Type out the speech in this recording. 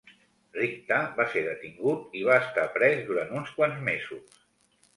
Richta va ser detingut i va estar pres durant uns quants mesos.